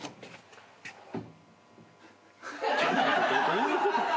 どういうこと？